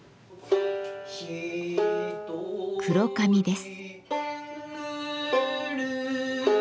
「黒髪」です。